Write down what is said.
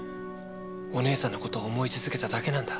お姉さんの事を思い続けただけなんだ。